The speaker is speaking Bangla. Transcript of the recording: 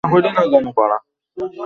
আড়াল করে ফেলার একটা চেষ্টা।